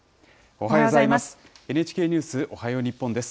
おはようございます。